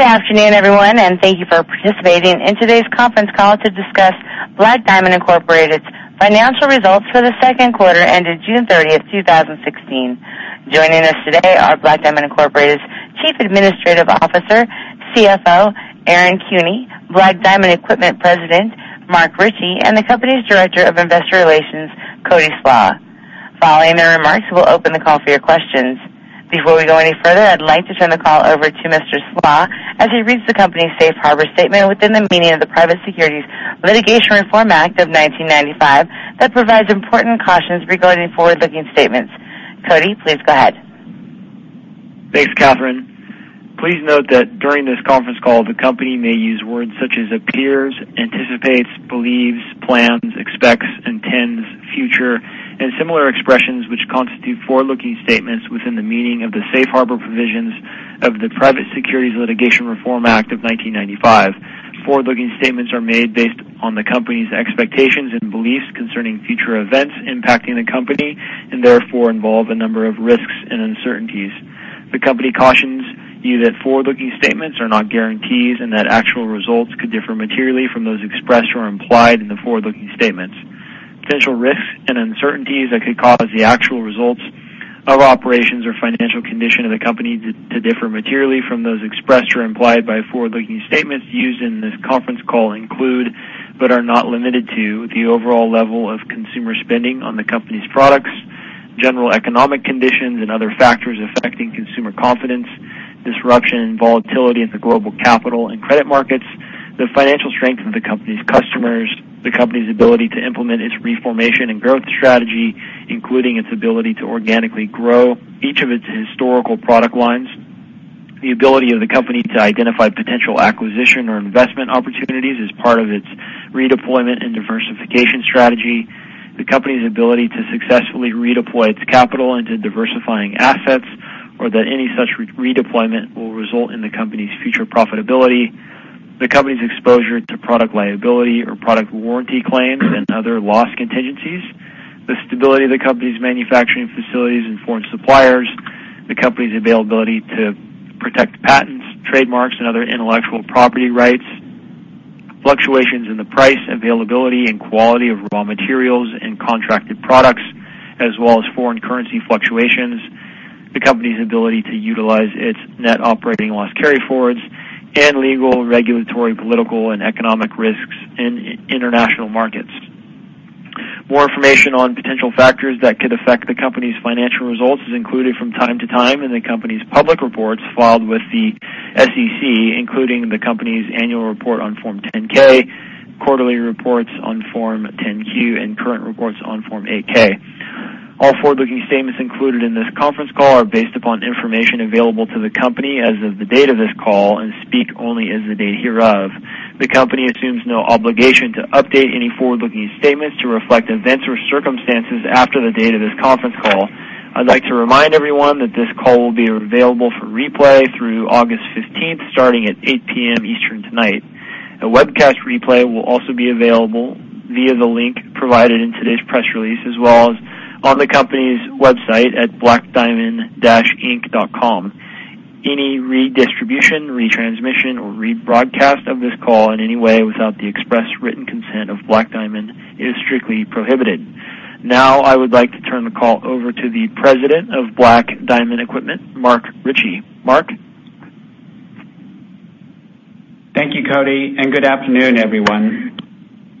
Good afternoon, everyone, and thank you for participating in today's conference call to discuss Black Diamond, Inc.'s financial results for the second quarter ended June 30th, 2016. Joining us today are Black Diamond, Inc.'s Chief Administrative Officer, CFO, Aaron Kuehne, Black Diamond Equipment President, Mark Ritchie, and the company's Director of Investor Relations, Cody Slach. Following their remarks, we'll open the call for your questions. Before we go any further, I'd like to turn the call over to Mr. Slach as he reads the company's safe harbor statement within the meaning of the Private Securities Litigation Reform Act of 1995, that provides important cautions regarding forward-looking statements. Cody, please go ahead. Thanks, Catherine. Please note that during this conference call, the company may use words such as appears, anticipates, believes, plans, expects, intends, future, and similar expressions which constitute forward-looking statements within the meaning of the safe harbor provisions of the Private Securities Litigation Reform Act of 1995. Forward-looking statements are made based on the company's expectations and beliefs concerning future events impacting the company, and therefore involve a number of risks and uncertainties. The company cautions you that forward-looking statements are not guarantees and that actual results could differ materially from those expressed or implied in the forward-looking statements. Potential risks and uncertainties that could cause the actual results of operations or financial condition of the company to differ materially from those expressed or implied by forward-looking statements used in this conference call include, but are not limited to, the overall level of consumer spending on the company's products, general economic conditions and other factors affecting consumer confidence, disruption and volatility in the global capital and credit markets, the financial strength of the company's customers, the company's ability to implement its reformation and growth strategy, including its ability to organically grow each of its historical product lines, the ability of the company to identify potential acquisition or investment opportunities as part of its redeployment and diversification strategy, the company's ability to successfully redeploy its capital into diversifying assets, or that any such redeployment will result in the company's future profitability, the company's exposure to product liability or product warranty claims and other loss contingencies, the stability of the company's manufacturing facilities and foreign suppliers, the company's ability to protect patents, trademarks, and other intellectual property rights, fluctuations in the price, availability, and quality of raw materials and contracted products, as well as foreign currency fluctuations, the company's ability to utilize its net operating loss carryforwards, and legal, regulatory, political, and economic risks in international markets. More information on potential factors that could affect the company's financial results is included from time to time in the company's public reports filed with the SEC, including the company's annual report on Form 10-K, quarterly reports on Form 10-Q, and current reports on Form 8-K. All forward-looking statements included in this conference call are based upon information available to the company as of the date of this call and speak only as of the date hereof. The company assumes no obligation to update any forward-looking statements to reflect events or circumstances after the date of this conference call. I'd like to remind everyone that this call will be available for replay through August 15th, starting at 8:00 P.M. Eastern tonight. A webcast replay will also be available via the link provided in today's press release, as well as on the company's website at blackdiamondequipment.com. Any redistribution, retransmission, or rebroadcast of this call in any way without the express written consent of Black Diamond is strictly prohibited. I would like to turn the call over to the President of Black Diamond Equipment, Mark Ritchie. Mark? Thank you, Cody, and good afternoon, everyone.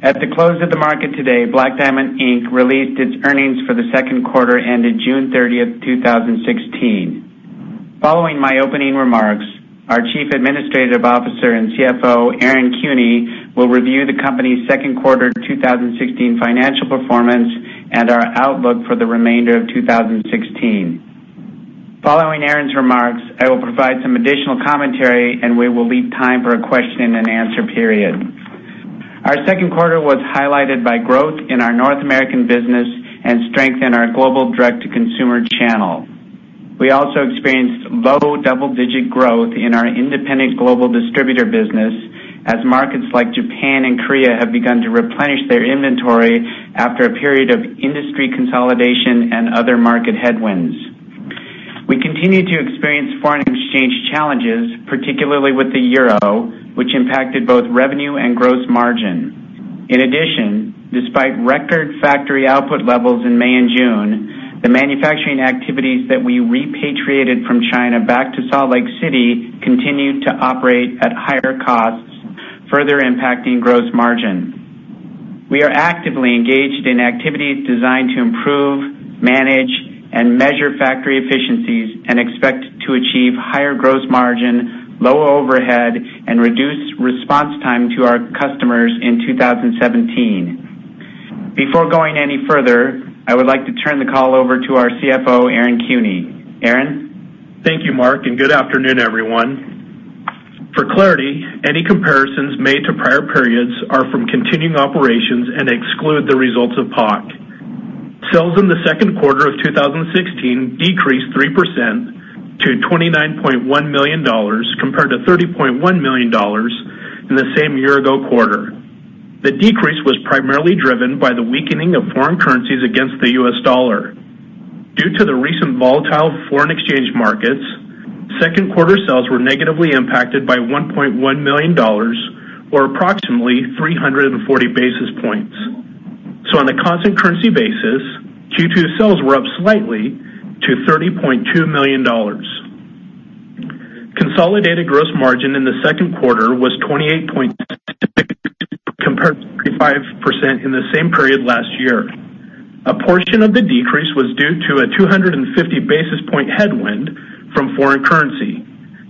At the close of the market today, Black Diamond, Inc. released its earnings for the second quarter ended June 30th, 2016. Following my opening remarks, our Chief Administrative Officer and CFO, Aaron Kuehne, will review the company's second quarter 2016 financial performance and our outlook for the remainder of 2016. Following Aaron's remarks, I will provide some additional commentary, and we will leave time for a question and answer period. Our second quarter was highlighted by growth in our North American business and strength in our global direct-to-consumer channel. We also experienced low double-digit growth in our independent global distributor business, as markets like Japan and Korea have begun to replenish their inventory after a period of industry consolidation and other market headwinds. We continue to experience foreign exchange challenges, particularly with the euro, which impacted both revenue and gross margin. Despite record factory output levels in May and June, the manufacturing activities that we repatriated from China back to Salt Lake City continued to operate at higher costs, further impacting gross margin. We are actively engaged in activities designed to improve, manage, and measure factory efficiencies and expect to achieve higher gross margin, low overhead, and reduced response time to our customers in 2017. Before going any further, I would like to turn the call over to our CFO, Aaron Kuehne. Aaron? Thank you, Mark, and good afternoon, everyone. For clarity, any comparisons made to prior periods are from continuing operations and exclude the results of POC. Sales in the second quarter of 2016 decreased 3% to $29.1 million, compared to $30.1 million in the same year-ago quarter. The decrease was primarily driven by the weakening of foreign currencies against the U.S. dollar. Due to the recent volatile foreign exchange markets, second quarter sales were negatively impacted by $1.1 million, or approximately 340 basis points. On a constant currency basis, Q2 sales were up slightly to $30.2 million. Consolidated gross margin in the second quarter was 28.6% compared to 35% in the same period last year. A portion of the decrease was due to a 250 basis point headwind from foreign currency.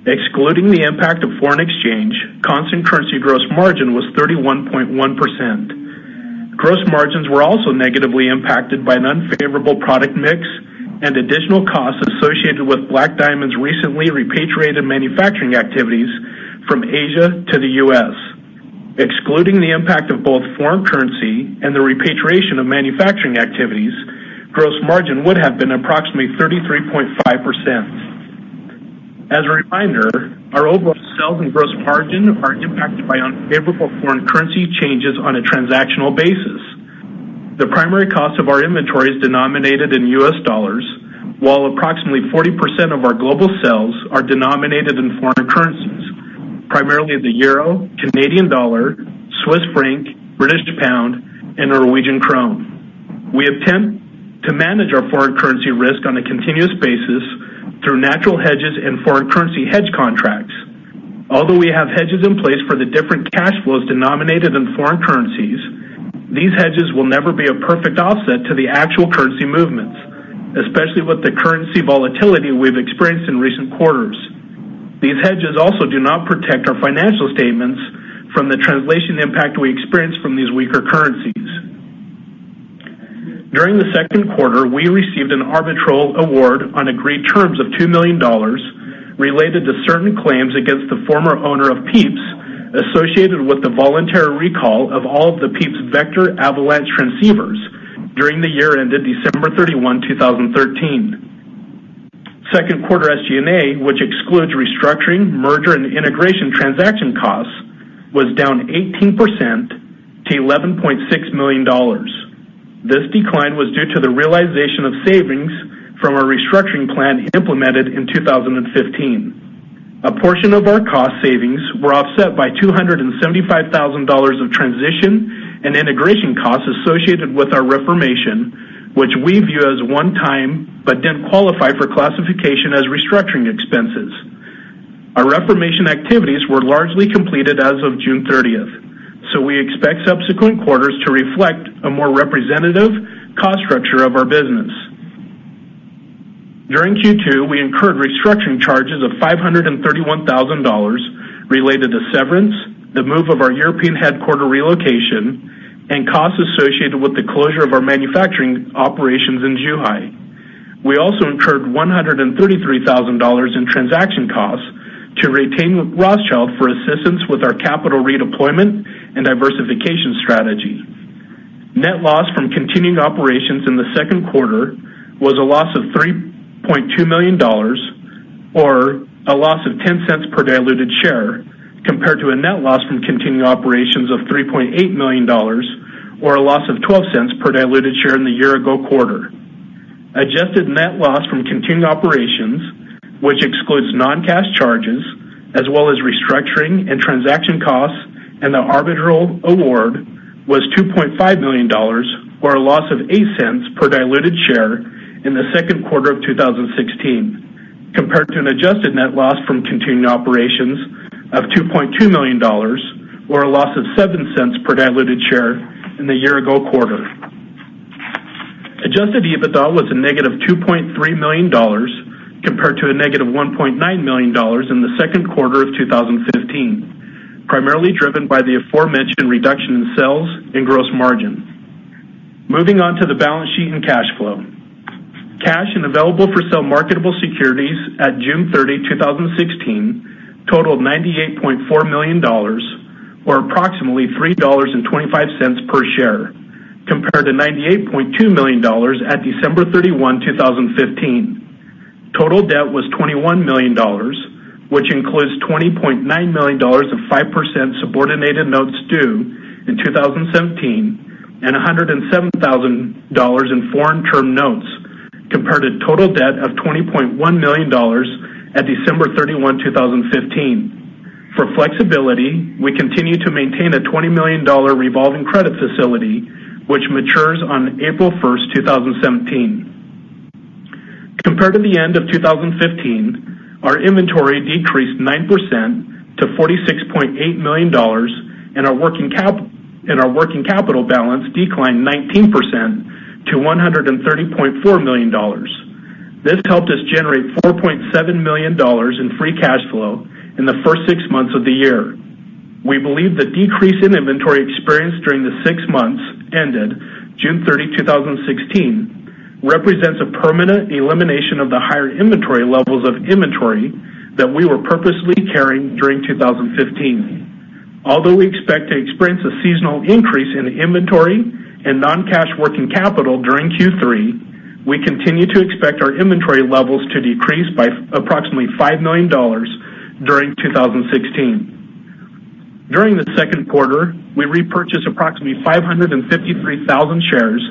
Excluding the impact of foreign exchange, constant currency gross margin was 31.1%. Gross margins were also negatively impacted by an unfavorable product mix and additional costs associated with Black Diamond's recently repatriated manufacturing activities from Asia to the U.S. Excluding the impact of both foreign currency and the repatriation of manufacturing activities, gross margin would have been approximately 33.5%. As a reminder, our overall sales and gross margin are impacted by unfavorable foreign currency changes on a transactional basis. The primary cost of our inventory is denominated in U.S. dollars, while approximately 40% of our global sales are denominated in foreign currencies, primarily the euro, Canadian dollar, Swiss franc, British pound, and Norwegian krone. We attempt to manage our foreign currency risk on a continuous basis through natural hedges and foreign currency hedge contracts. Although we have hedges in place for the different cash flows denominated in foreign currencies, these hedges will never be a perfect offset to the actual currency movements, especially with the currency volatility we've experienced in recent quarters. These hedges also do not protect our financial statements from the translation impact we experience from these weaker currencies. During the second quarter, we received an arbitral award on agreed terms of $2 million related to certain claims against the former owner of PIEPS associated with the voluntary recall of all of the PIEPS Vector avalanche transceivers during the year ended December 31, 2013. Second quarter SG&A, which excludes restructuring, merger, and integration transaction costs, was down 18% to $11.6 million. This decline was due to the realization of savings from our restructuring plan implemented in 2015. A portion of our cost savings were offset by $275,000 of transition and integration costs associated with our reformation, which we view as one time, but didn't qualify for classification as restructuring expenses. Our reformation activities were largely completed as of June 30th, so we expect subsequent quarters to reflect a more representative cost structure of our business. During Q2, we incurred restructuring charges of $531,000 related to severance, the move of our European headquarters relocation, and costs associated with the closure of our manufacturing operations in Zhuhai. We also incurred $133,000 in transaction costs to retain Rothschild for assistance with our capital redeployment and diversification strategy. Net loss from continuing operations in the second quarter was a loss of $3.2 million, or a loss of $0.10 per diluted share, compared to a net loss from continuing operations of $3.8 million, or a loss of $0.12 per diluted share in the year-ago quarter. Adjusted net loss from continued operations, which excludes non-cash charges, as well as restructuring and transaction costs, and the arbitral award was $2.5 million, or a loss of $0.08 per diluted share in the second quarter of 2016, compared to an adjusted net loss from continued operations of $2.2 million, or a loss of $0.07 per diluted share in the year-ago quarter. Adjusted EBITDA was a -$2.3 million compared to a -$1.9 million in the second quarter of 2015, primarily driven by the aforementioned reduction in sales and gross margin. Moving on to the balance sheet and cash flow. Cash and available for sale marketable securities at June 30, 2016 totaled $98.4 million, or approximately $3.25 per share, compared to $98.2 million at December 31, 2015. Total debt was $21 million, which includes $20.9 million of 5% subordinated notes due in 2017 and $107,000 in foreign term notes compared to total debt of $20.1 million at December 31, 2015. For flexibility, we continue to maintain a $20 million revolving credit facility, which matures on April 1st, 2017. Compared to the end of 2015, our inventory decreased 9% to $46.8 million, and our working capital balance declined 19% to $130.4 million. This helped us generate $4.7 million in free cash flow in the first six months of the year. We believe the decrease in inventory experienced during the six months ended June 30, 2016, represents a permanent elimination of the higher inventory levels of inventory that we were purposely carrying during 2015. Although we expect to experience a seasonal increase in inventory and non-cash working capital during Q3, we continue to expect our inventory levels to decrease by approximately $5 million during 2016. During the second quarter, we repurchased approximately 553,000 shares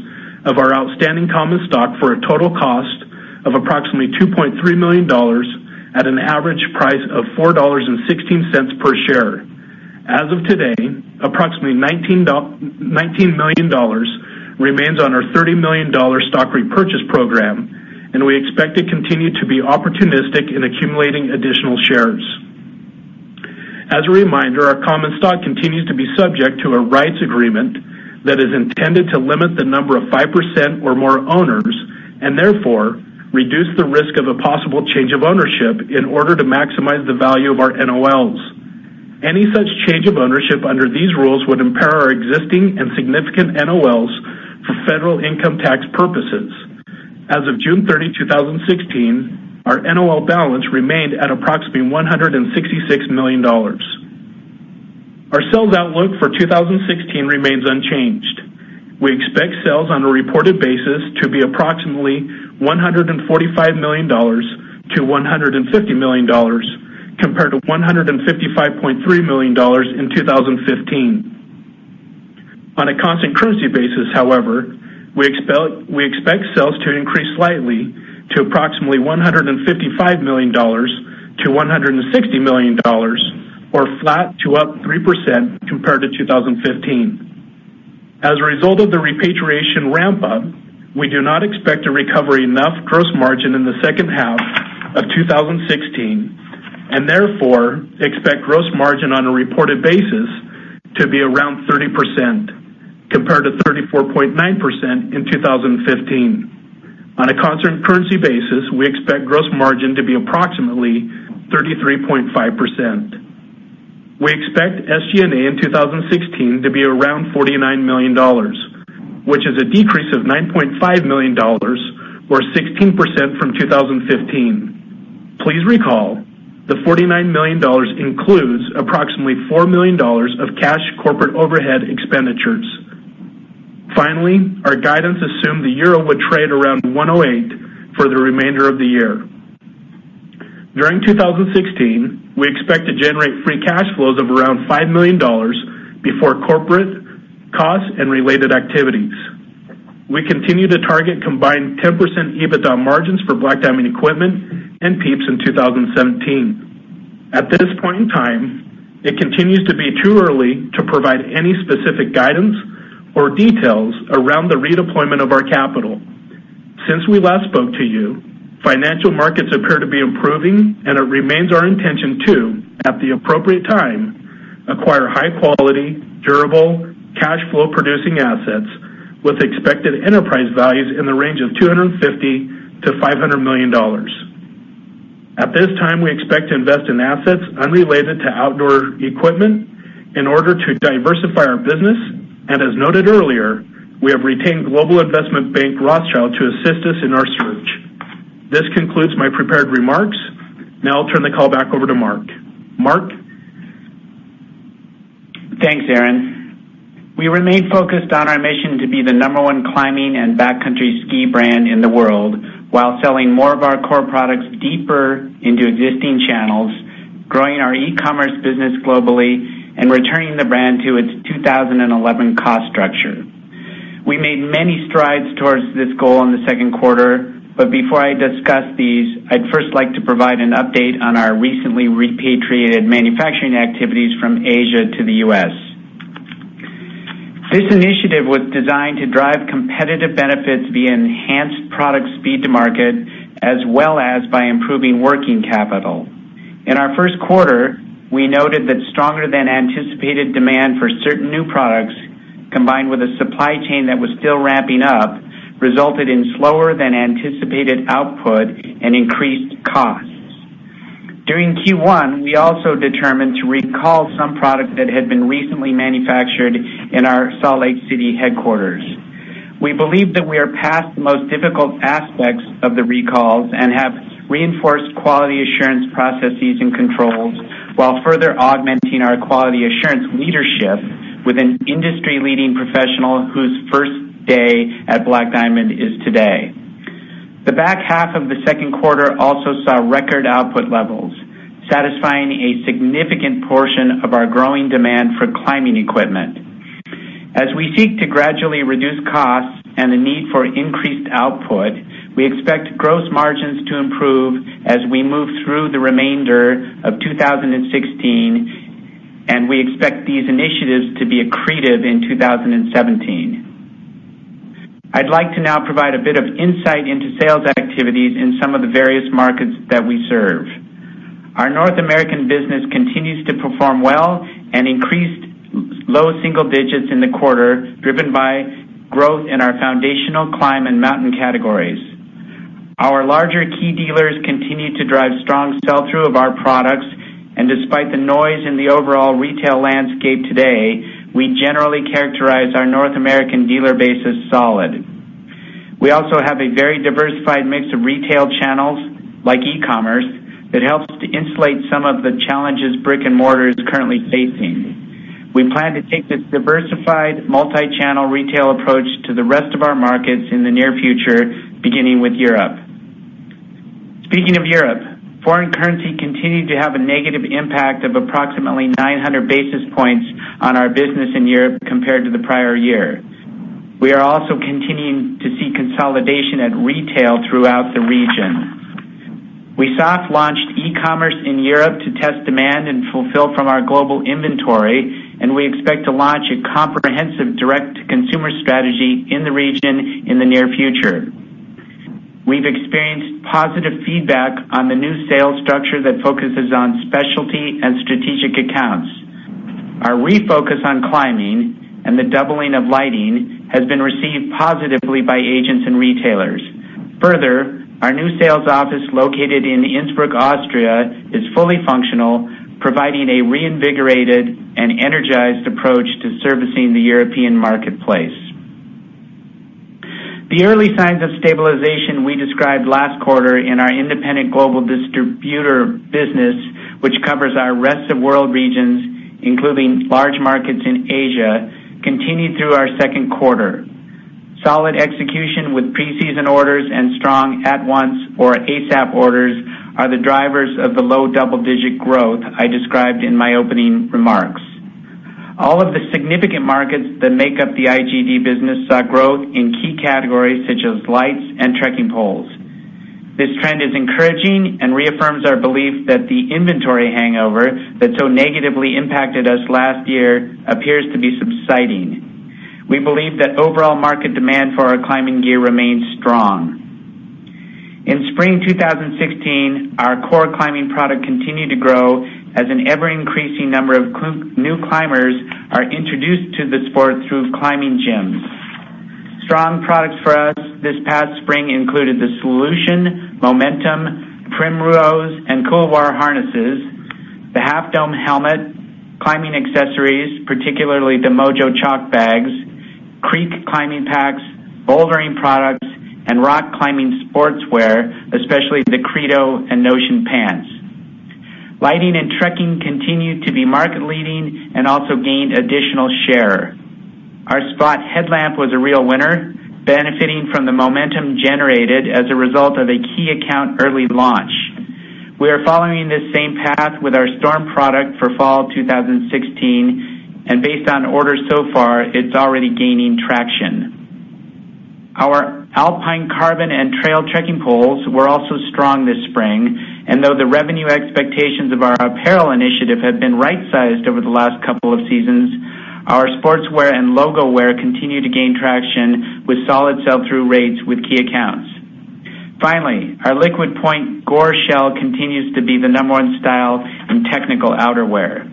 of our outstanding common stock for a total cost of approximately $2.3 million at an average price of $4.16 per share. As of today, approximately $19 million remains on our $30 million stock repurchase program, and we expect to continue to be opportunistic in accumulating additional shares. As a reminder, our common stock continues to be subject to a rights agreement that is intended to limit the number of 5% or more owners, and therefore reduce the risk of a possible change of ownership in order to maximize the value of our NOLs. Any such change of ownership under these rules would impair our existing and significant NOLs for federal income tax purposes. As of June 30, 2016, our NOL balance remained at approximately $166 million. Our sales outlook for 2016 remains unchanged. We expect sales on a reported basis to be approximately $145 million-$150 million, compared to $155.3 million in 2015. On a constant currency basis, however, we expect sales to increase slightly to approximately $155 million-$160 million or flat to up 3% compared to 2015. As a result of the repatriation ramp-up, we do not expect to recover enough gross margin in the second half of 2016 and therefore expect gross margin on a reported basis to be around 30%, compared to 34.9% in 2015. On a constant currency basis, we expect gross margin to be approximately 33.5%. We expect SG&A in 2016 to be around $49 million, which is a decrease of $9.5 million or 16% from 2015. Please recall that $49 million includes approximately $4 million of cash corporate overhead expenditures. Our guidance assumed the euro would trade around 108 for the remainder of the year. During 2016, we expect to generate free cash flows of around $5 million before corporate costs and related activities. We continue to target combined 10% EBITDA margins for Black Diamond Equipment and PIEPS in 2017. At this point in time, it continues to be too early to provide any specific guidance or details around the redeployment of our capital. Since we last spoke to you, financial markets appear to be improving, it remains our intention to, at the appropriate time, acquire high-quality, durable, cash flow-producing assets with expected enterprise values in the range of $250 million-$500 million. At this time, we expect to invest in assets unrelated to outdoor equipment in order to diversify our business, and as noted earlier, we have retained global investment bank Rothschild to assist us in our search. This concludes my prepared remarks. Now I'll turn the call back over to Mark. Mark? Thanks, Aaron. We remain focused on our mission to be the number 1 climbing and backcountry ski brand in the world while selling more of our core products deeper into existing channels, growing our e-commerce business globally, and returning the brand to its 2011 cost structure. We made many strides towards this goal in the second quarter. Before I discuss these, I'd first like to provide an update on our recently repatriated manufacturing activities from Asia to the U.S. This initiative was designed to drive competitive benefits via enhanced product speed to market, as well as by improving working capital. In our first quarter, we noted that stronger-than-anticipated demand for certain new products, combined with a supply chain that was still ramping up, resulted in slower-than-anticipated output and increased costs. During Q1, we also determined to recall some products that had been recently manufactured in our Salt Lake City headquarters. We believe that we are past the most difficult aspects of the recalls and have reinforced quality assurance processes and controls while further augmenting our quality assurance leadership with an industry-leading professional whose first day at Black Diamond is today. The back half of the second quarter also saw record output levels, satisfying a significant portion of our growing demand for climbing equipment. As we seek to gradually reduce costs and the need for increased output, we expect gross margins to improve as we move through the remainder of 2016, and we expect these initiatives to be accretive in 2017. I'd like to now provide a bit of insight into sales activities in some of the various markets that we serve. Our North American business continues to perform well and increased low single digits in the quarter, driven by growth in our foundational climb and mountain categories. Our larger key dealers continue to drive strong sell-through of our products, and despite the noise in the overall retail landscape today, we generally characterize our North American dealer base as solid. We also have a very diversified mix of retail channels, like e-commerce, that helps to insulate some of the challenges brick and mortar is currently facing. We plan to take this diversified, multi-channel retail approach to the rest of our markets in the near future, beginning with Europe. Speaking of Europe, foreign currency continued to have a negative impact of approximately 900 basis points on our business in Europe compared to the prior year. We are also continuing to see consolidation at retail throughout the region. We soft-launched e-commerce in Europe to test demand and fulfill from our global inventory, and we expect to launch a comprehensive direct-to-consumer strategy in the region in the near future. We've experienced positive feedback on the new sales structure that focuses on specialty and strategic accounts. Our refocus on climbing and the doubling of lighting has been received positively by agents and retailers. Further, our new sales office located in Innsbruck, Austria, is fully functional, providing a reinvigorated and energized approach to servicing the European marketplace. The early signs of stabilization we described last quarter in our independent global distributor business, which covers our rest-of-world regions, including large markets in Asia, continued through our second quarter. Solid execution with pre-season orders and strong at-once or ASAP orders are the drivers of the low double-digit growth I described in my opening remarks. All of the significant markets that make up the IGD business saw growth in key categories such as lights and trekking poles. This trend is encouraging and reaffirms our belief that the inventory hangover that so negatively impacted us last year appears to be subsiding. We believe that overall market demand for our climbing gear remains strong. In spring 2016, our core climbing product continued to grow as an ever-increasing number of new climbers are introduced to the sport through climbing gyms. Strong products for us this past spring included the Solution, Momentum, Primrose, and Couloir harnesses, the Half Dome helmet, climbing accessories, particularly the Mojo chalk bags, Creek climbing packs, bouldering products, and rock climbing sportswear, especially the Credo and Notion pants. Lighting and trekking continued to be market-leading and also gained additional share. Our Spot headlamp was a real winner, benefiting from the momentum generated as a result of a key account early launch. We are following this same path with our Storm product for fall 2016, and based on orders so far, it's already gaining traction. Our Alpine Carbon and trail trekking poles were also strong this spring, and though the revenue expectations of our apparel initiative have been right-sized over the last couple of seasons, our sportswear and logo wear continue to gain traction with solid sell-through rates with key accounts. Finally, our Liquid Point Gore-Tex shell continues to be the number one style in technical outerwear.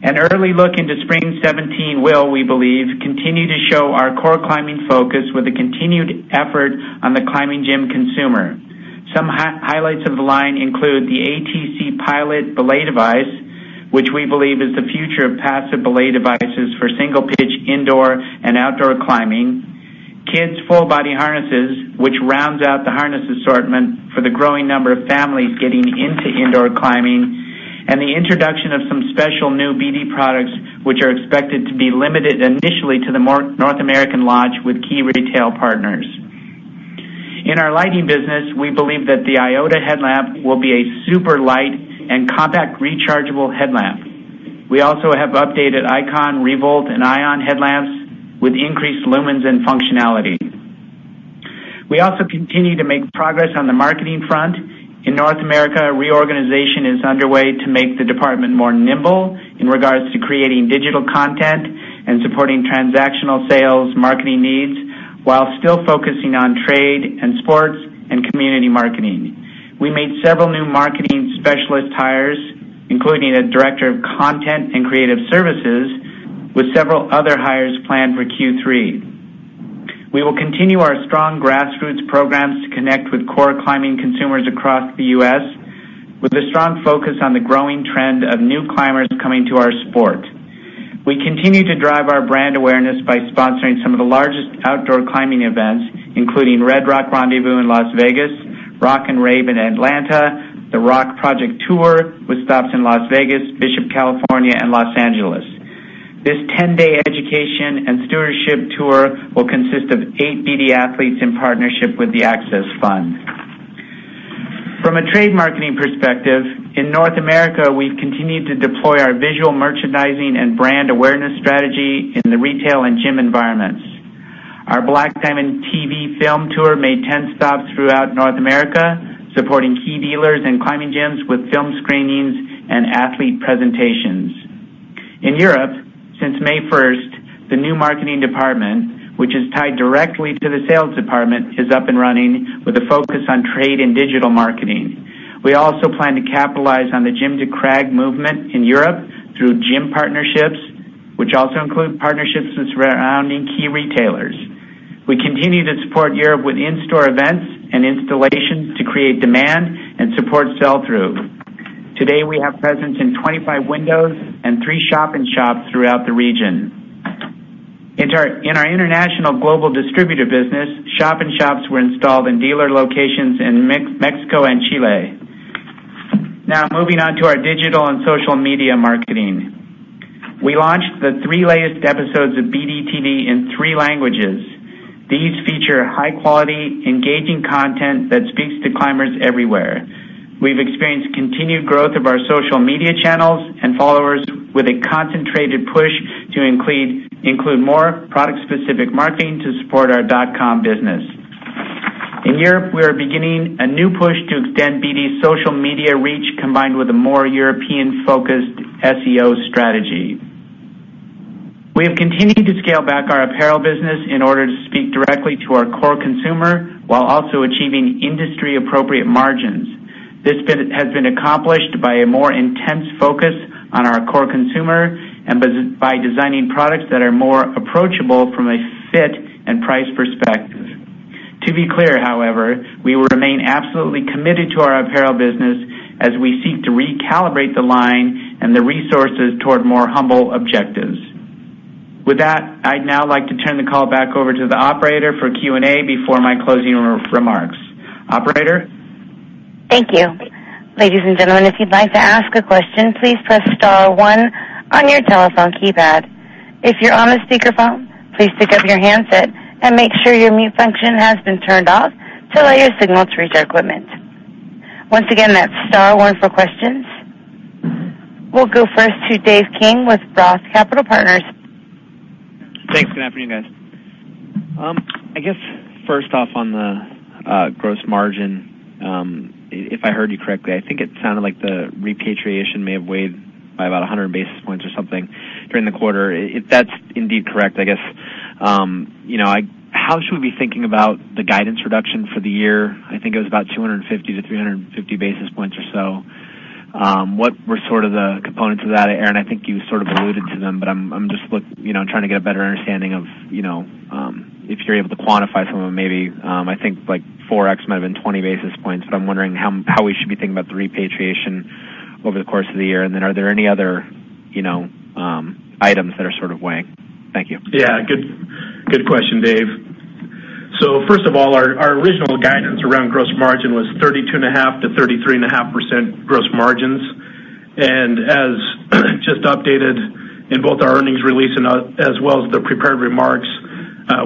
An early look into spring 2017 will, we believe, continue to show our core climbing focus with a continued effort on the climbing gym consumer. Some highlights of the line include the ATC Pilot belay device, which we believe is the future of passive belay devices for single-pitch indoor and outdoor climbing, kids' full-body harnesses, which rounds out the harness assortment for the growing number of families getting into indoor climbing, and the introduction of some special new BD products, which are expected to be limited initially to the North American launch with key retail partners. In our lighting business, we believe that the Iota headlamp will be a super light and compact rechargeable headlamp. We also have updated Icon, ReVolt, and Ion headlamps with increased lumens and functionality. We also continue to make progress on the marketing front. In North America, reorganization is underway to make the department more nimble in regards to creating digital content and supporting transactional sales marketing needs while still focusing on trade and sports and community marketing. We made several new marketing specialist hires, including a director of content and creative services, with several other hires planned for Q3. We will continue our strong grassroots programs to connect with core climbing consumers across the U.S., with a strong focus on the growing trend of new climbers coming to our sport. We continue to drive our brand awareness by sponsoring some of the largest outdoor climbing events, including Red Rock Rendezvous in Las Vegas, Rock & Rave in Atlanta, the ROCK Project Tour with stops in Las Vegas, Bishop California, and Los Angeles. This 10-day education and stewardship tour will consist of eight BD athletes in partnership with the Access Fund. From a trade marketing perspective, in North America, we've continued to deploy our visual merchandising and brand awareness strategy in the retail and gym environments. Our Black Diamond TV film tour made 10 stops throughout North America, supporting key dealers and climbing gyms with film screenings and athlete presentations. In Europe, since May 1st, the new marketing department, which is tied directly to the sales department, is up and running with a focus on trade and digital marketing. We also plan to capitalize on the Gym to Crag movement in Europe through gym partnerships, which also include partnerships surrounding key retailers. We continue to support Europe with in-store events and installations to create demand and support sell-through. To date, we have presence in 25 windows and three shop-in-shops throughout the region. In our international global distributor business, shop-in-shops were installed in dealer locations in Mexico and Chile. Now moving on to our digital and social media marketing. We launched the three latest episodes of BD TV in three languages. These feature high quality, engaging content that speaks to climbers everywhere. We've experienced continued growth of our social media channels and followers with a concentrated push to include more product-specific marketing to support our dotcom business. In Europe, we are beginning a new push to extend BD's social media reach, combined with a more European-focused SEO strategy. We have continued to scale back our apparel business in order to speak directly to our core consumer while also achieving industry-appropriate margins. This has been accomplished by a more intense focus on our core consumer and by designing products that are more approachable from a fit and price perspective. To be clear, however, we will remain absolutely committed to our apparel business as we seek to recalibrate the line and the resources toward more humble objectives. With that, I'd now like to turn the call back over to the Operator for Q&A before my closing remarks. Operator? Thank you. Ladies and gentlemen, if you'd like to ask a question, please press star one on your telephone keypad. If you're on a speakerphone, please pick up your handset and make sure your mute function has been turned off to allow your signal to reach our equipment. Once again, that's star one for questions. We'll go first to Dave King with ROTH Capital Partners. Thanks. Good afternoon, guys. I guess first off on the gross margin, if I heard you correctly, I think it sounded like the repatriation may have weighed by about 100 basis points or something during the quarter. If that's indeed correct, I guess, how should we be thinking about the guidance reduction for the year? I think it was about 250-350 basis points or so. What were sort of the components of that, Aaron Kuehne? I think you sort of alluded to them, but I'm just trying to get a better understanding of if you're able to quantify some of them, maybe. I think like Forex might have been 20 basis points, but I'm wondering how we should be thinking about the repatriation over the course of the year. Then are there any other items that are sort of weighing? Thank you. Yeah. Good question, Dave. First of all, our original guidance around gross margin was 32.5%-33.5% gross margins. As just updated in both our earnings release and as well as the prepared remarks,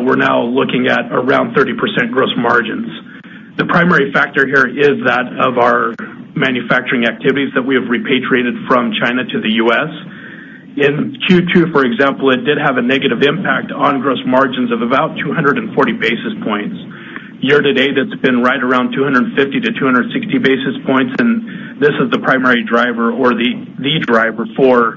we're now looking at around 30% gross margins. The primary factor here is that of our manufacturing activities that we have repatriated from China to the U.S. In Q2, for example, it did have a negative impact on gross margins of about 240 basis points. Year to date, that's been right around 250-260 basis points, and this is the primary driver or the driver for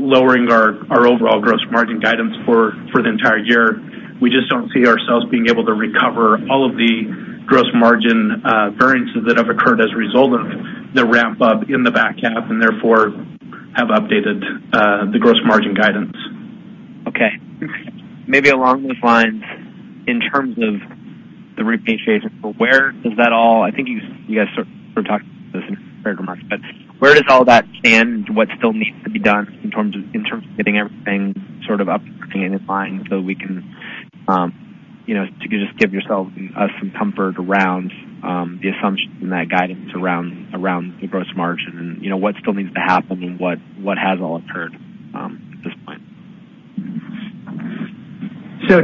lowering our overall gross margin guidance for the entire year. We just don't see ourselves being able to recover all of the gross margin variances that have occurred as a result of the ramp up in the back half, and therefore have updated the gross margin guidance. Okay. Maybe along those lines, in terms of the repatriation, where does that all, I think you guys sort of talked about this in your remarks, but where does all that stand? What still needs to be done in terms of getting everything sort of up to speed and in line so you can just give yourself and us some comfort around the assumption that guidance around the gross margin, and what still needs to happen and what has all occurred at this point?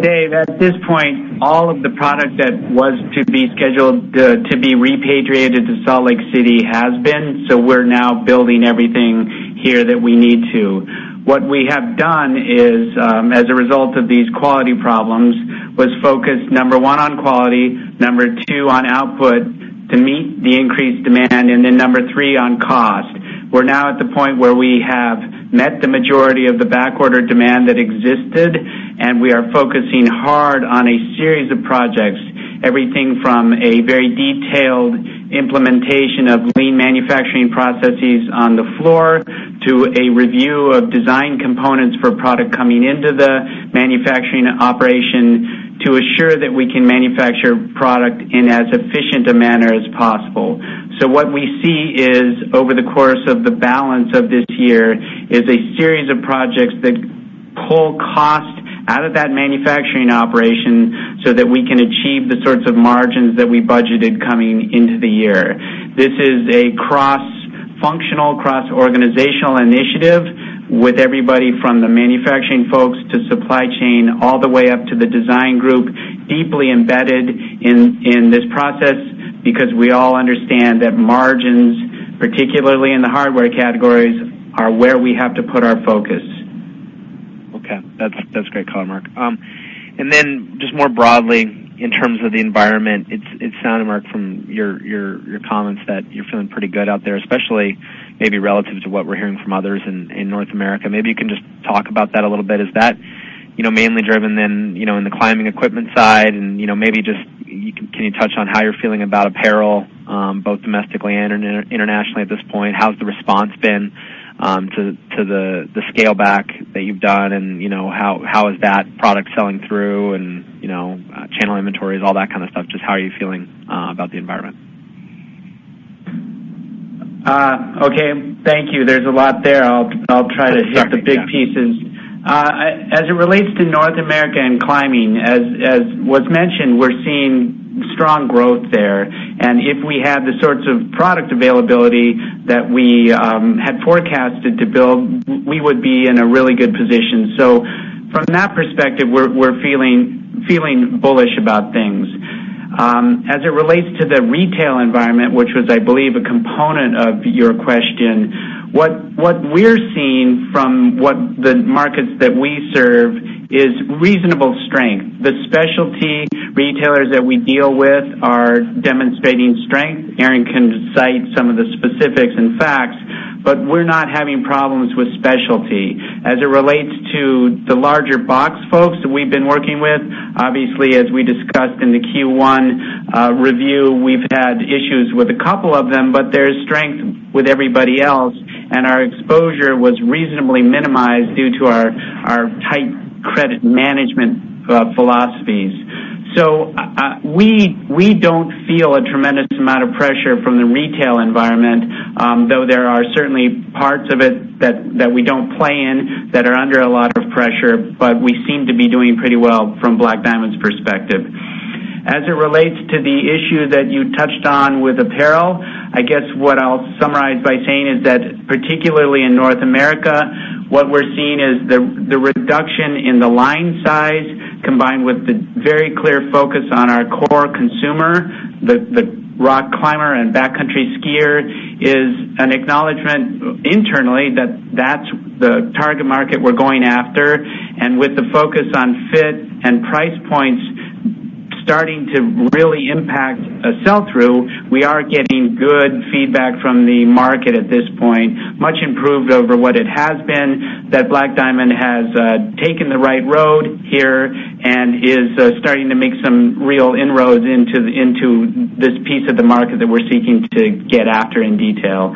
Dave, at this point, all of the product that was to be scheduled to be repatriated to Salt Lake City has been. We're now building everything here that we need to. What we have done is, as a result of these quality problems, was focus, number one, on quality, number two, on output to meet the increased demand, number three, on cost. We're now at the point where we have met the majority of the back order demand that existed. We are focusing hard on a series of projects, everything from a very detailed implementation of lean manufacturing processes on the floor to a review of design components for product coming into the manufacturing operation to assure that we can manufacture product in as efficient a manner as possible. What we see is, over the course of the balance of this year, is a series of projects that pull cost out of that manufacturing operation so that we can achieve the sorts of margins that we budgeted coming into the year. This is a cross-functional, cross-organizational initiative with everybody from the manufacturing folks to supply chain, all the way up to the design group, deeply embedded in this process because we all understand that margins, particularly in the hardware categories, are where we have to put our focus. Okay. That's great, color. Just more broadly, in terms of the environment, it sounded, Mark, from your comments that you're feeling pretty good out there, especially maybe relative to what we're hearing from others in North America. Maybe you can just talk about that a little bit? Is that mainly driven then in the climbing equipment side, and maybe just can you touch on how you're feeling about apparel, both domestically and internationally at this point? How's the response been to the scale back that you've done, and how is that product selling through and channel inventories, all that kind of stuff? Just how are you feeling about the environment? Okay, thank you. There's a lot there. I'll try to hit the big pieces. As it relates to North America and climbing, as was mentioned, we're seeing strong growth there. If we had the sorts of product availability that we had forecasted to build, we would be in a really good position. From that perspective, we're feeling bullish about things. As it relates to the retail environment, which was, I believe, a component of your question, what we're seeing from the markets that we serve is reasonable strength. The specialty retailers that we deal with are demonstrating strength. Aaron can cite some of the specifics and facts, but we're not having problems with specialty. As it relates to the larger box folks that we've been working with, obviously, as we discussed in the Q1 review, we've had issues with a couple of them, but there's strength with everybody else, and our exposure was reasonably minimized due to our tight credit management philosophies. We don't feel a tremendous amount of pressure from the retail environment, though there are certainly parts of it that we don't play in that are under a lot of pressure. We seem to be doing pretty well from Black Diamond's perspective. As it relates to the issue that you touched on with apparel, I guess what I'll summarize by saying is that particularly in North America, what we're seeing is the reduction in the line size, combined with the very clear focus on our core consumer, the rock climber and backcountry skier, is an acknowledgement internally that that's the target market we're going after. With the focus on fit and price points starting to really impact sell-through, we are getting good feedback from the market at this point, much improved over what it has been, that Black Diamond has taken the right road here and is starting to make some real inroads into this piece of the market that we're seeking to get after in detail.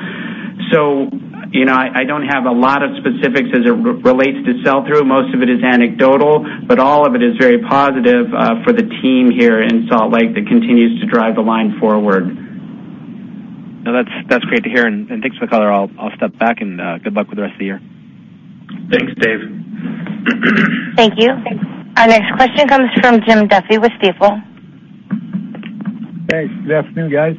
I don't have a lot of specifics as it relates to sell-through. Most of it is anecdotal, but all of it is very positive for the team here in Salt Lake that continues to drive the line forward. No, that's great to hear, and thanks for the color. I'll step back and good luck with the rest of the year. Thanks, Dave. Thank you. Our next question comes from Jim Duffy with Stifel. Good afternoon, guys.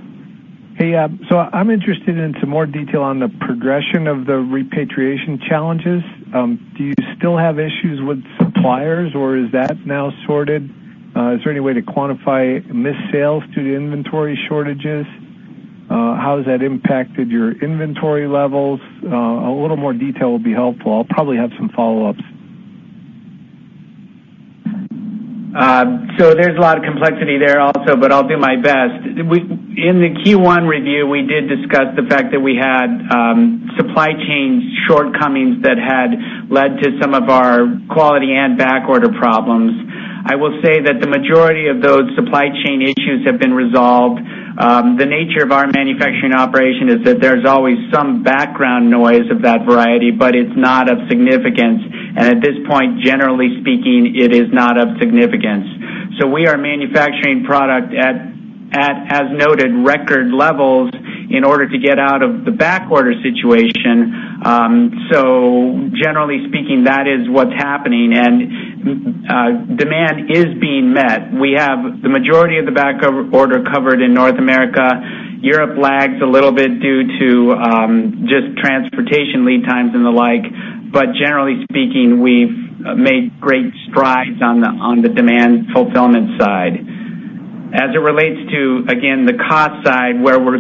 I'm interested in some more detail on the progression of the repatriation challenges. Do you still have issues with suppliers, or is that now sorted? Is there any way to quantify missed sales due to inventory shortages? How has that impacted your inventory levels? A little more detail would be helpful. I'll probably have some follow-ups. There's a lot of complexity there also, but I'll do my best. In the Q1 review, we did discuss the fact that we had supply chain shortcomings that had led to some of our quality and backorder problems. I will say that the majority of those supply chain issues have been resolved. The nature of our manufacturing operation is that there's always some background noise of that variety, but it's not of significance. At this point, generally speaking, it is not of significance. We are manufacturing product at, as noted, record levels in order to get out of the backorder situation. Generally speaking, that is what's happening, and demand is being met. We have the majority of the backorder covered in North America. Europe lags a little bit due to just transportation lead times and the like. Generally speaking, we've made great strides on the demand fulfillment side. As it relates to, again, the cost side, where we're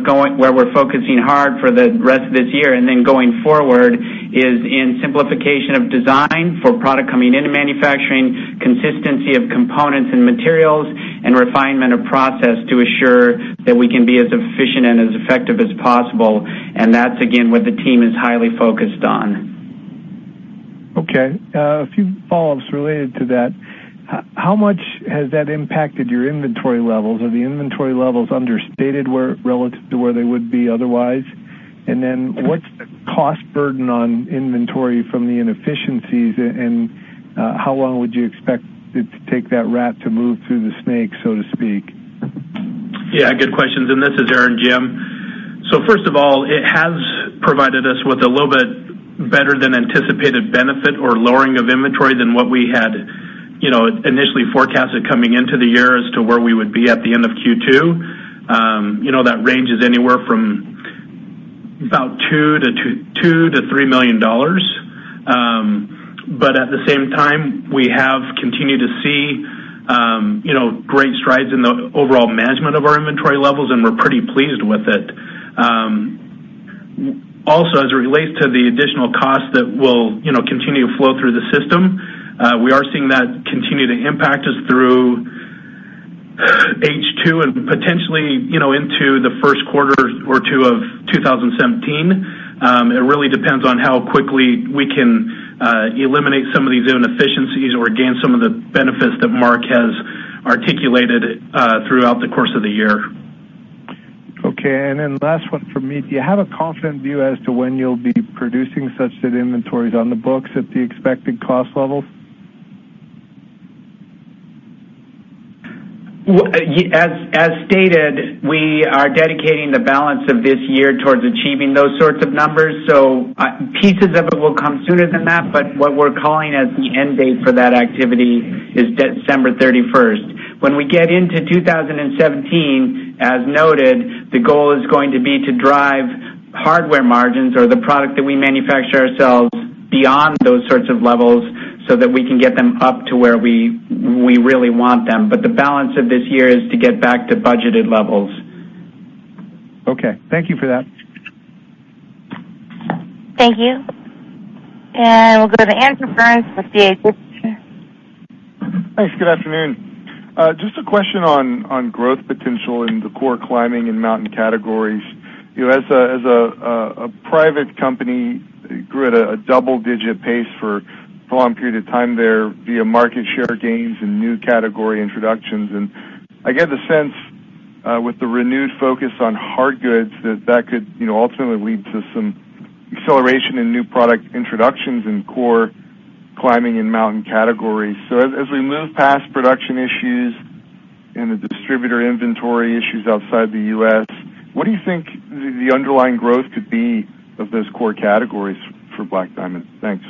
focusing hard for the rest of this year and then going forward, is in simplification of design for product coming into manufacturing, consistency of components and materials, and refinement of process to assure that we can be as efficient and as effective as possible. That's, again, what the team is highly focused on. Okay. A few follow-ups related to that. How much has that impacted your inventory levels? Are the inventory levels understated relative to where they would be otherwise? What's the cost burden on inventory from the inefficiencies, and how long would you expect it to take that rat to move through the snake, so to speak? Yeah, good questions. This is Aaron, Jim. First of all, it has provided us with a little bit better than anticipated benefit or lowering of inventory than what we had initially forecasted coming into the year as to where we would be at the end of Q2. That ranges anywhere from about $2 million-$3 million. At the same time, we have continued to see great strides in the overall management of our inventory levels, and we're pretty pleased with it. Also, as it relates to the additional costs that will continue to flow through the system, we are seeing that continue to impact us through H2 and potentially into the first quarter or two of 2017. It really depends on how quickly we can eliminate some of these inefficiencies or gain some of the benefits that Mark has articulated throughout the course of the year. Okay, and then last one from me. Do you have a confident view as to when you'll be producing such that inventory's on the books at the expected cost levels? As stated, we are dedicating the balance of this year towards achieving those sorts of numbers. Pieces of it will come sooner than that, but what we're calling as the end date for that activity is December 31st. When we get into 2017, as noted, the goal is going to be to drive hardware margins or the product that we manufacture ourselves beyond those sorts of levels so that we can get them up to where we really want them. The balance of this year is to get back to budgeted levels. Okay. Thank you for that. Thank you. We'll go to Andrew Burns with D.A. Davidson Thanks. Good afternoon. Just a question on growth potential in the core climbing and mountain categories. As a private company, you grew at a double-digit pace for a long period of time there via market share gains and new category introductions. I get the sense, with the renewed focus on hard goods, that that could ultimately lead to some acceleration in new product introductions in core climbing and mountain categories. As we move past production issues and the distributor inventory issues outside the U.S., what do you think the underlying growth could be of those core categories for Black Diamond? Thanks.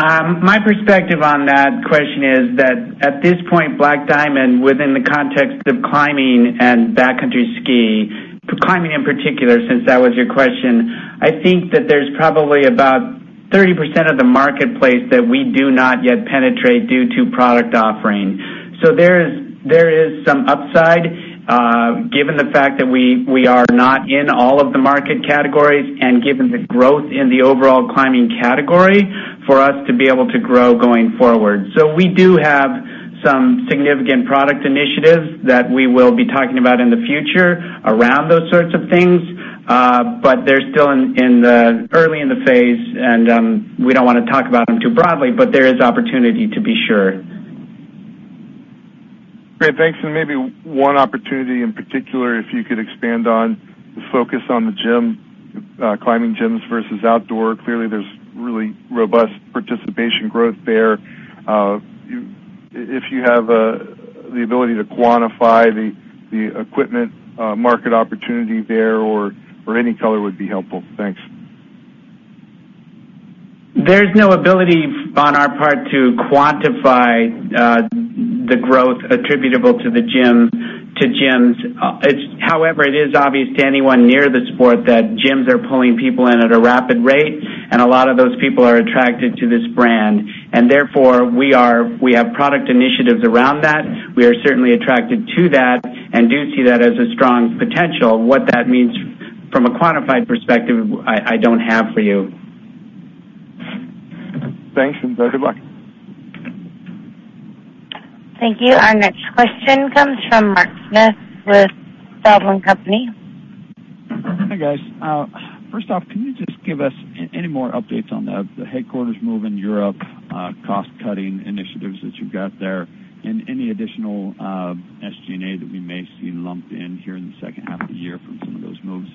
My perspective on that question is that at this point, Black Diamond, within the context of climbing and backcountry ski, climbing in particular, since that was your question, I think that there's probably about 30% of the marketplace that we do not yet penetrate due to product offering. There is some upside, given the fact that we are not in all of the market categories and given the growth in the overall climbing category, for us to be able to grow going forward. We do have some significant product initiatives that we will be talking about in the future around those sorts of things. They're still in the early phase, and we don't want to talk about them too broadly, but there is opportunity to be sure. Great. Thanks. Maybe one opportunity in particular if you could expand on the focus on the gym, climbing gyms versus outdoor. Clearly, there's really robust participation growth there. If you have the ability to quantify the equipment market opportunity there or any color would be helpful. Thanks. There's no ability on our part to quantify the growth attributable to gyms. However, it is obvious to anyone near the sport that gyms are pulling people in at a rapid rate, and a lot of those people are attracted to this brand. Therefore, we have product initiatives around that. We are certainly attracted to that and do see that as a strong potential. What that means from a quantified perspective, I don't have for you. Thanks and good luck. Thank you. Our next question comes from Mark Smith with Feltl and Company. Hi, guys. First off, can you just give us any more updates on the headquarters move in Europe, cost-cutting initiatives that you've got there, and any additional SG&A that we may see lumped in here in the second half of the year from some of those moves?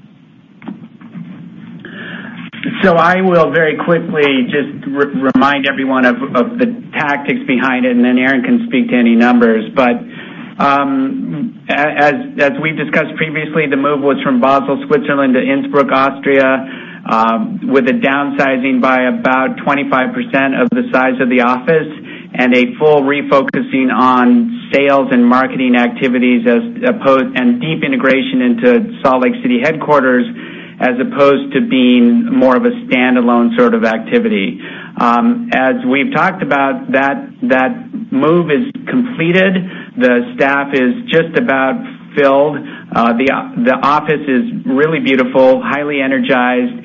I will very quickly just remind everyone of the tactics behind it, and then Aaron can speak to any numbers. As we've discussed previously, the move was from Basel, Switzerland to Innsbruck, Austria, with a downsizing by about 25% of the size of the office and a full refocusing on sales and marketing activities and deep integration into Salt Lake City headquarters, as opposed to being more of a standalone sort of activity. As we've talked about, that move is completed. The staff is just about filled. The office is really beautiful, highly energized,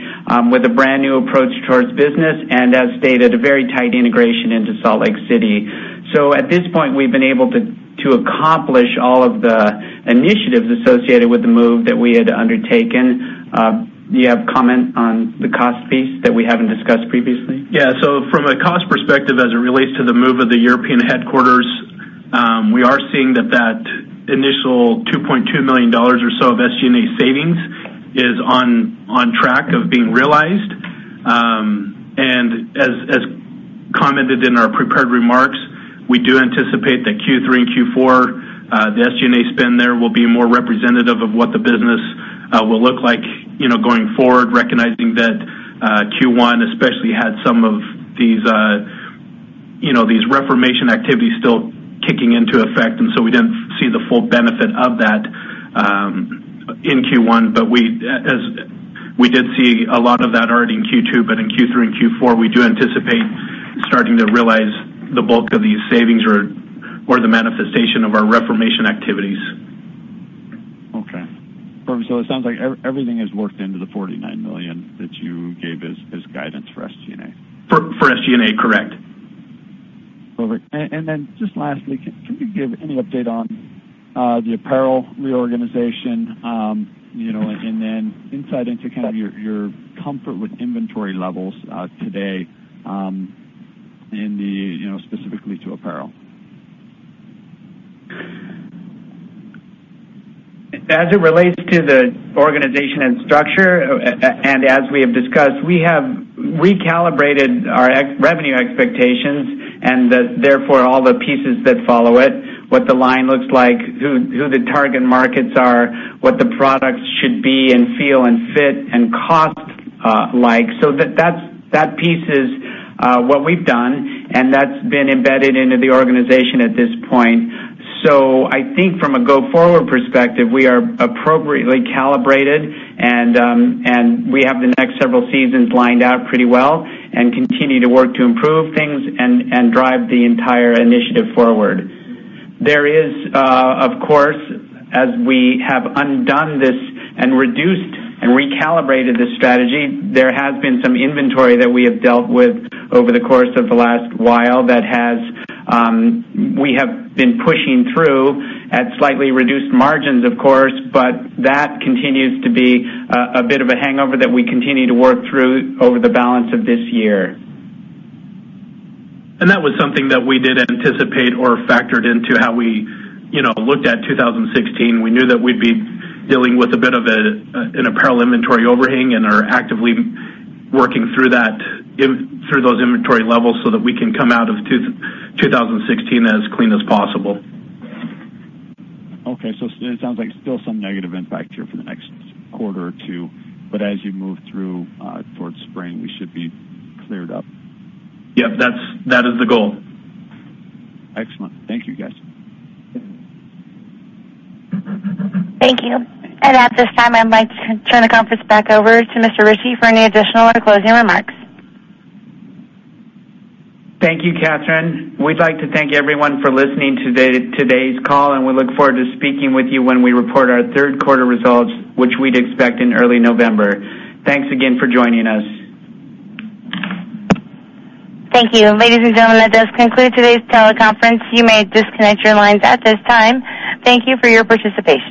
with a brand-new approach towards business and as stated, a very tight integration into Salt Lake City. At this point, we've been able to accomplish all of the initiatives associated with the move that we had undertaken. Do you have a comment on the cost piece that we haven't discussed previously? Yeah. From a cost perspective, as it relates to the move of the European headquarters, we are seeing that initial $2.2 million or so of SG&A savings is on track of being realized. As commented in our prepared remarks, we do anticipate that Q3 and Q4, the SG&A spend there will be more representative of what the business will look like going forward, recognizing that Q1 especially had some of these reformation activities still kicking into effect, so we didn't see the full benefit of that in Q1. We did see a lot of that already in Q2. In Q3 and Q4, we do anticipate starting to realize the bulk of these savings or the manifestation of our reformation activities. Okay. It sounds like everything is worked into the $49 million that you gave as guidance for SG&A. For SG&A, correct. Perfect. Just lastly, can you give any update on the apparel reorganization, and then insight into kind of your comfort with inventory levels today, specifically to apparel? As it relates to the organization and structure, as we have discussed, we have recalibrated our revenue expectations and therefore all the pieces that follow it, what the line looks like, who the target markets are, what the products should be and feel and fit and cost like. That piece is what we've done, and that's been embedded into the organization at this point. I think from a go-forward perspective, we are appropriately calibrated, and we have the next several seasons lined out pretty well and continue to work to improve things and drive the entire initiative forward. There is, of course, as we have undone this and reduced and recalibrated this strategy, there has been some inventory that we have dealt with over the course of the last while that we have been pushing through at slightly reduced margins, of course. That continues to be a bit of a hangover that we continue to work through over the balance of this year. That was something that we did anticipate or factored into how we looked at 2016. We knew that we'd be dealing with a bit of an apparel inventory overhang and are actively working through those inventory levels so that we can come out of 2016 as clean as possible. Okay. It sounds like still some negative impact here for the next quarter or two. As you move through towards spring, we should be cleared up. Yep, that is the goal. Excellent. Thank you, guys. Thank you. At this time, I'd like to turn the conference back over to Mr. Ritchie for any additional or closing remarks. Thank you, Catherine. We'd like to thank everyone for listening to today's call, and we look forward to speaking with you when we report our third quarter results, which we'd expect in early November. Thanks again for joining us. Thank you. Ladies and gentlemen, that does conclude today's teleconference. You may disconnect your lines at this time. Thank you for your participation.